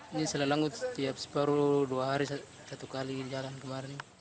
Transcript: ini selelangut setiap separuh dua hari satu kali jalan kemarin